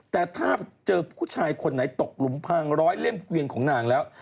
แต่ถ้าเจอผู้ชายคนไหนตกหลุมพังร้อยเล่มเกวียนของนางแล้ว